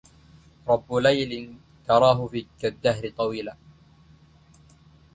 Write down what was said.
رب ليل تراه كالدهر طولا